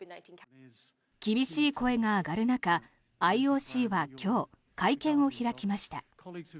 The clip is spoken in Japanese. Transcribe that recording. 厳しい声が上がる中、ＩＯＣは今日、会見を開きました。